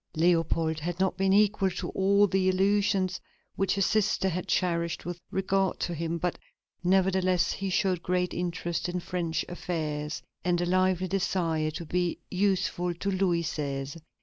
Leopold had not been equal to all the illusions which his sister had cherished with regard to him, but, nevertheless, he showed great interest in French affairs, and a lively desire to be useful to Louis XVI.